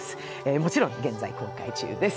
もちろん現在公開中です。